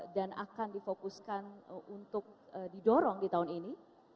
dan akan difokuskan untuk didorong di tahun ini